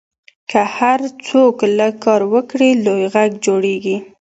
که هر څوک لږ کار وکړي، لوی غږ جوړېږي.